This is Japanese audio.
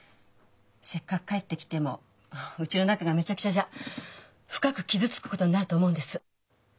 せっかく帰ってきてもうちの中がめちゃくちゃじゃ深く傷つくことになると思うんです。